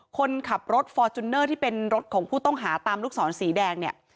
คนขับรถฟอร์จูเนอร์ที่เป็นรถของผู้ต้องหาตามลูกศรสีแดงเนี่ย